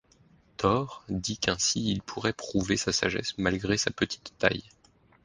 Thor dit qu'ainsi il pourrait prouver sa sagesse malgré sa petite taille.